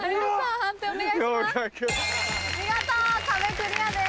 見事壁クリアです。